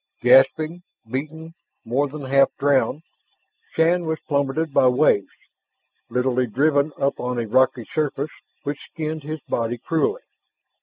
Gasping, beaten, more than half drowned, Shann was pummeled by waves, literally driven up on a rocky surface which skinned his body cruelly.